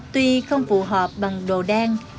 tuy không phù hợp bằng đồ đen